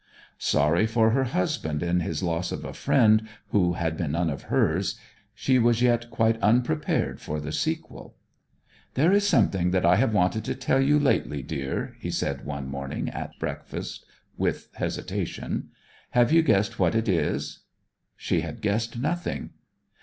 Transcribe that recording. Sorry for her husband in his loss of a friend who had been none of hers, she was yet quite unprepared for the sequel. 'There is something that I have wanted to tell you lately, dear,' he said one morning at breakfast with hesitation. 'Have you guessed what it is?' She had guessed nothing.